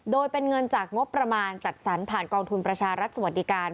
โดยเป็นเงินจากงบประมาณจัดสรรผ่านกองทุนประชารัฐสวัสดิการ